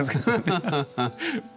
ハハハハハ。